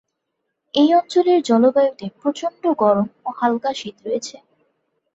এই অঞ্চলের জলবায়ুতে প্রচণ্ড গরম ও হালকা শীত রয়েছে।